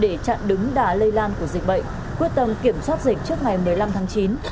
để chặn đứng đà lây lan của dịch bệnh quyết tâm kiểm soát dịch trước ngày một mươi năm tháng chín